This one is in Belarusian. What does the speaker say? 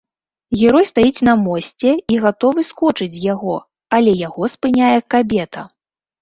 Герой стаіць на мосце і гатовы скочыць з яго, але яго спыняе кабета.